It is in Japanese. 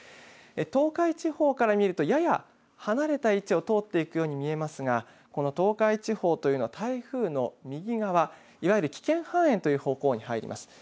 東海地方から見るとやや離れた位置を通っていくように見えますがこの東海地方というのは台風の右側、いわゆる危険半円という方向に入ります。